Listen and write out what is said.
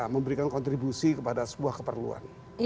memberikan kontribusi kepada sebuah keperluan